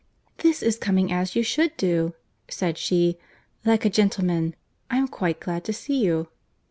"This is coming as you should do," said she; "like a gentleman.—I am quite glad to see you."